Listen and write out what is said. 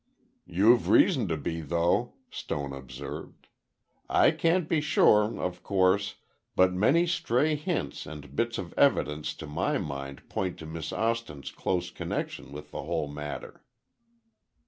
"You've reason to be, though," Stone observed. "I can't be sure, of course, but many stray hints and bits of evidence, to my mind point to Miss Austin's close connection with the whole matter."